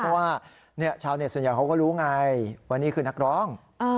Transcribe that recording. เพราะว่าชาวเน็ตส่วนใหญ่เขาก็รู้ไงว่านี่คือนักร้อง